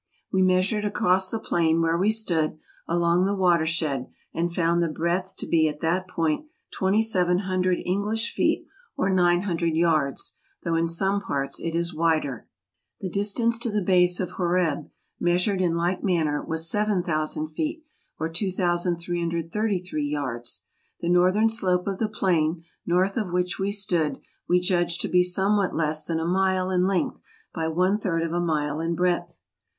... We measured across the plain, where we stood, along the water¬ shed, and found the breadth to be at that point 2700 English feet or 900 yards, though in some parts it is wider. The distance to the base of Horeb, mea¬ sured in like manner, was 7000 feet, or 2333 yards. The northern slope of the plain, north of which we stood, we judged to be somewhat less than a mile in length by one third of a mile in breadth.